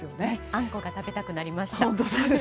あんこが食べたくなりました。